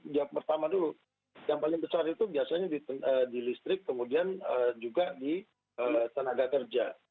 yang pertama dulu yang paling besar itu biasanya di listrik kemudian juga di tenaga kerja